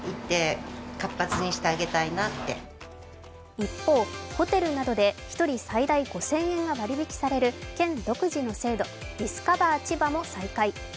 一方、ホテルなどで１人最大５０００円が割り引きされる県独自の制度、ディスカバー千葉も再開。